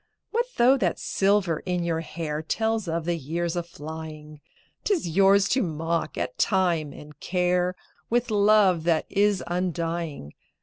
What though that silver in your hair Tells of the years aflying? 'T is yours to mock at Time and Care With love that is undying.